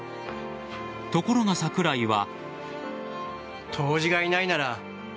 ところが、桜井は。